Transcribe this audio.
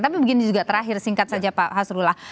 tapi begini juga terakhir singkat saja pak hasrullah